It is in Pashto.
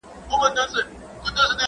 که بارونه په پسونو سي څوک وړلای.